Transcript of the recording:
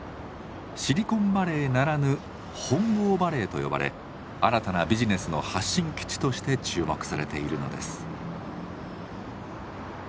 シリコンバレーならぬ本郷バレーと呼ばれ新たなビジネスの発信基地として注目されているのです。